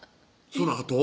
そのあと？